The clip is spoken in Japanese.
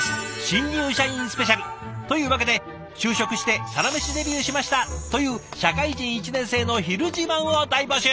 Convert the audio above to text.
というわけで就職してサラメシデビューしましたという社会人１年生の「ひる自慢」を大募集！